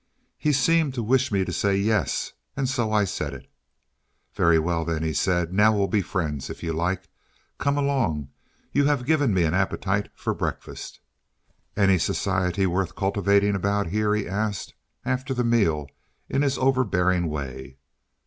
He seemed to wish me to say "yes," and so I said it. "Very well, then," he said; "now we'll be friends, if you like. Come along; you have given me an appetite for breakfast." "Any society worth cultivating about here?" he asked, after the meal, in his overbearing way.